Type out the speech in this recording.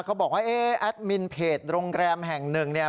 เขาบอกว่าเอ๊ะแอดมินเพจโรงแรมแห่งหนึ่งเนี่ย